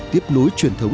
tiếp lối truyền thống